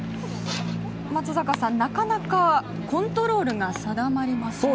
松坂さん、なかなかコントロールが定まりませんが。